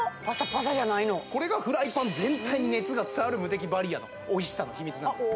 これがフライパン全体に熱が伝わるムテキバリアのおいしさの秘密なんですね